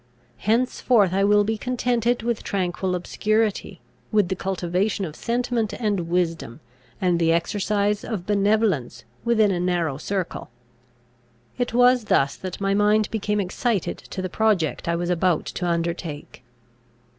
Henceforth I will be contented with tranquil obscurity, with the cultivation of sentiment and wisdom, and the exercise of benevolence within a narrow circle." It was thus that my mind became excited to the project I was about to undertake.